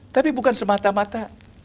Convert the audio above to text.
tapi bukan semata mata